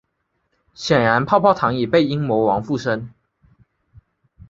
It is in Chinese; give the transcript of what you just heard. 显然泡泡糖已被阴魔王附身。